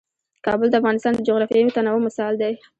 کابل د افغانستان د جغرافیوي تنوع مثال دی.